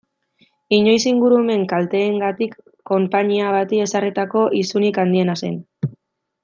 Inoiz ingurumen kalteengatik konpainia bati ezarritako isunik handiena zen.